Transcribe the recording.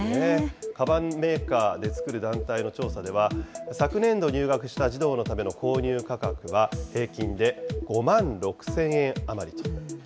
かばんメーカーで作る団体の調査では、昨年度入学した児童のための購入価格は、平均で５万６０００円余りと。